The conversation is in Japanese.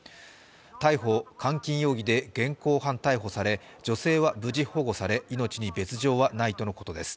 逮捕監禁容疑で現行犯逮捕され女性は無事保護され、命に別状はないということです。